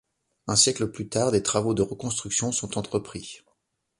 Un siècle plus tard des travaux de reconstruction sont entrepris.